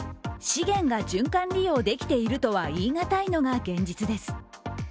資源が循環利用できているとは言いがたいのが現実です。